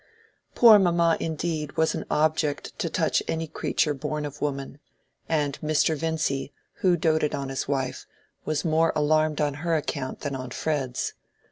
Poor mamma indeed was an object to touch any creature born of woman; and Mr. Vincy, who doted on his wife, was more alarmed on her account than on Fred's.